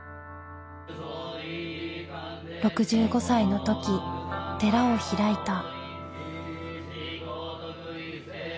６５歳の時寺を開いた。